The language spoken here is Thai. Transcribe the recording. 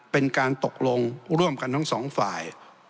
เป็นการตกลงร่วมกันทั้งสองฝ่าย